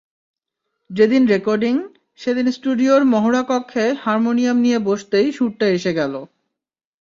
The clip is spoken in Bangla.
যেদিন রেকর্ডিং, সেদিন স্টুডিওর মহড়াকক্ষে হারমোনিয়াম নিয়ে বসতেই সুরটা এসে গেল।